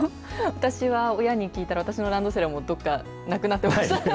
私は親に聞いたら、私のランドセルはもうどっかなくなってました。